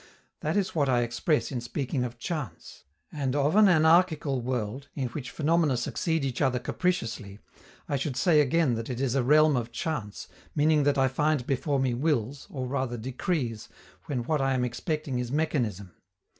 That is what I express in speaking of chance. And of an anarchical world, in which phenomena succeed each other capriciously, I should say again that it is a realm of chance, meaning that I find before me wills, or rather decrees, when what I am expecting is mechanism.